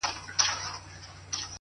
تا ولي په سوالونو کي سوالونه لټوله !